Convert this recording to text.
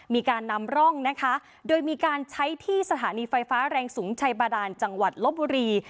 มีการนำร่องนะคะโดยมีการใช้ที่สถานีไฟฟ้าแรงสูงชัยบาดานจังหวัดลบบุรี